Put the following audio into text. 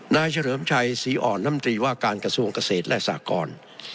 เฉลิมชัยศรีอ่อนน้ำตรีว่าการกระทรวงเกษตรและสากร